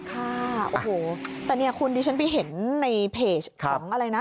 ค่ะโอ้โหแต่เนี่ยคุณดิฉันไปเห็นในเพจของอะไรนะ